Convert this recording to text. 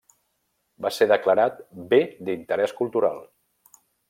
Va ser declarat Bé d'Interès Cultural.